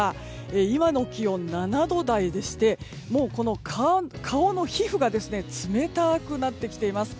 今の気温、７度台でして顔の皮膚が冷たくなってきています。